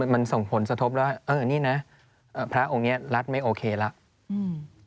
มันส่งผลสทบว่าพระองค์นี้รัฐไม่โอเคแล้ว